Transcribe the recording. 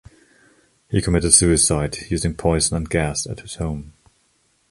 He committed suicide using poison and gas at his home.